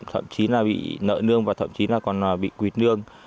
thậm chí là bị nợ nương và thậm chí là còn bị quệt nương